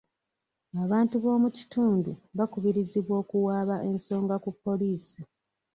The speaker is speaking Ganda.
Abantu b'omu kitundu bakubirizibwa okuwaaba ensonga ku poliisi.